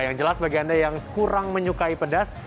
yang jelas bagi anda yang kurang menyukai pedas